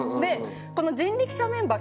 この人力舎メンバー